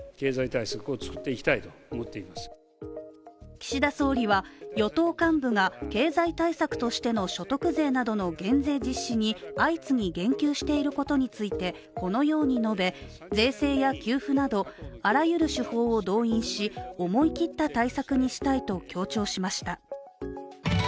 岸田総理は与党幹部が経済対策としての所得税などの減税実施に相次ぎ言及していることについてこのように述べ税制や給付など、あらゆる手法を動員し思い切った対策にしたいと強調しました。